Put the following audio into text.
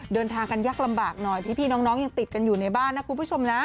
เดินทางกันยากลำบากหน่อยพี่น้องยังติดกันอยู่ในบ้านนะคุณผู้ชมนะ